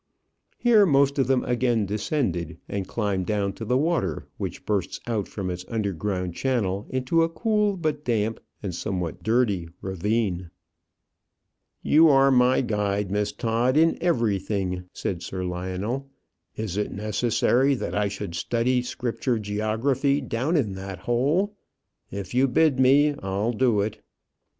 Here most of them again descended, and climbed down to the water, which bursts out from its underground channel into a cool, but damp and somewhat dirty ravine. "You are my guide, Miss Todd, in everything," said Sir Lionel. "Is it necessary that I should study scripture geography down in that hole? If you bid me, I'll do it."